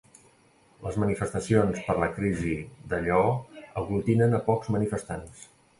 Les manifestacions per la crisi de Lleó aglutinen a pocs manifestants